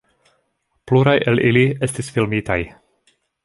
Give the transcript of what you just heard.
Pluraj el ili estis filmitaj.